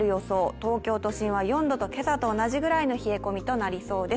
東京都心は４度と、今朝と同じくらいの冷え込みとなりそうです。